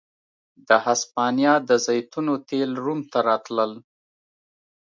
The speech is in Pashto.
د هسپانیا د زیتونو تېل روم ته راتلل